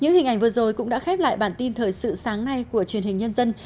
những hình ảnh vừa rồi cũng đã khép lại bản tin thời sự sáng nay của truyền hình nhân dân